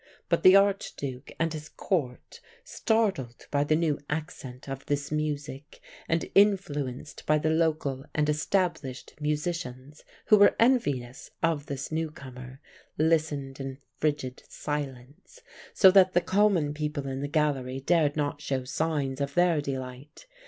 But the Arch Duke and his Court, startled by the new accent of this music, and influenced by the local and established musicians, who were envious of this newcomer, listened in frigid silence, so that the common people in the gallery dared not show signs of their delight.